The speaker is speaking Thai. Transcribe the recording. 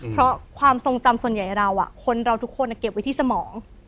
เพราะความทรงจำส่วนใหญ่เราคนเราทุกคนเก็บไว้ที่สมอง